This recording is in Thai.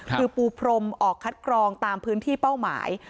คือปูพรมออกคัดกรองตามพื้นที่เป้าหมาย